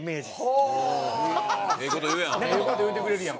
ええ事言うやん。